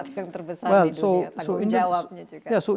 tanggung jawabnya juga